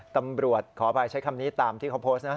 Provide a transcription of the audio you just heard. ขออภัยใช้คำนี้ตามที่เขาโพสต์นะ